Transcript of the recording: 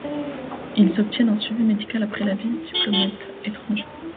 Ils obtiennent un suivi médical après la visite de diplomates étrangers.